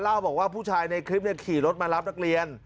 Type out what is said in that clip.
เล่าบอกว่าผู้ชายในคลิปขี่รถมารับนักเรียน